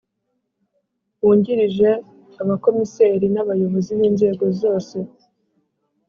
Wungirije Abakomiseri n Abayobozi b Inzego zose